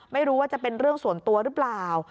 ไม่รู้ว่าจะเป็นเรื่องส่วนตัวหรือเปล่า